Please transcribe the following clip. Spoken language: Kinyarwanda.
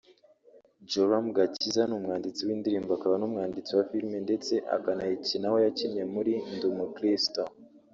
Joram Gakiza ni umwanditsi w’indirimbo akaba n’umwanditsi wa filime ndetse akanayakina aho yakinnye muri; Ndi umukristo